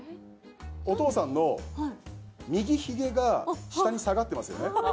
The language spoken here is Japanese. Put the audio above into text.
お父さんの右ひげが下に下がってますよね。